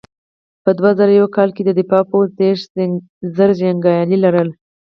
په دوه زره یو کال کې د دفاع پوځ دېرش زره جنګیالي لرل.